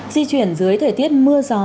di chuyển dưới thời tiết mưa gió